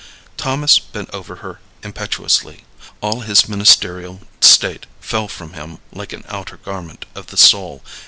Thomas bent over her impetuously. All his ministerial state fell from him like an outer garment of the soul.